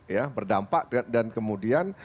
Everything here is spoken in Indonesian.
ya berdampak dan kemudian